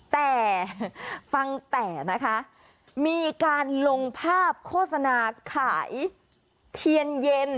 แต่ฟังแต่นะคะมีการลงภาพโฆษณาขายเทียนเย็น